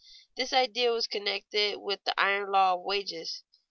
This idea was connected with the iron law of wages.